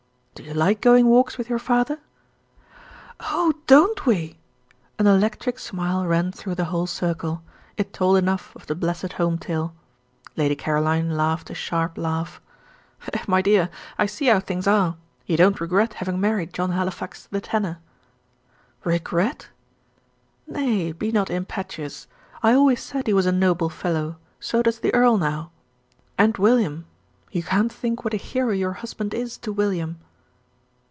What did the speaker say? "Do you like going walks with your father?" "Oh, don't we!" An electric smile ran through the whole circle. It told enough of the blessed home tale. Lady Caroline laughed a sharp laugh. "Eh, my dear, I see how things are. You don't regret having married John Halifax, the tanner?" "Regret!" "Nay, be not impetuous. I always said he was a noble fellow so does the earl now. And William you can't think what a hero your husband is to William."